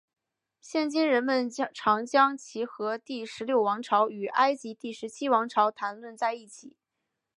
现今人们常将其和第十六王朝与埃及第十七王朝谈论在一起。